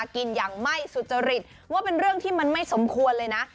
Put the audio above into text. กินอย่างไม่สุจริตว่าเป็นเรื่องที่มันไม่สมควรเลยนะ